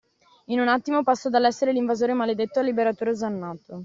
In un attimo passo dall’essere l’invasore maledetto al liberatore osannato.